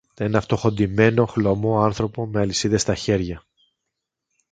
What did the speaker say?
ένα φτωχοντυμένο χλωμό άνθρωπο με αλυσίδες στα χέρια.